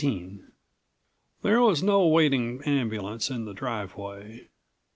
16 There was no waiting ambulance in the driveway.